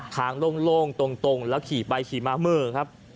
โล่งตรงแล้วขี่ไปขี่มาเมอร์ครับ